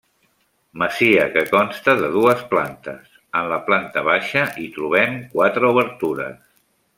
Masia que consta de dues plantes: en la planta baixa, hi trobem quatre obertures.